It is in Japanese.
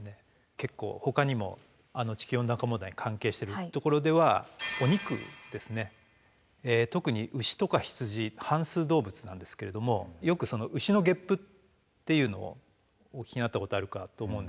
結構ほかにも地球温暖化問題に関係してるところでは特に牛とか羊反すう動物なんですけれどもよく牛のゲップっていうのをお聞きになったことあるかと思うんですが。